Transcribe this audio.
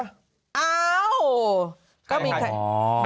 เอ้าก็มีใคร